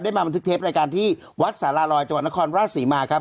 มาบันทึกเทปรายการที่วัดสารลอยจังหวัดนครราชศรีมาครับ